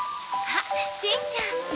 あっしんちゃん。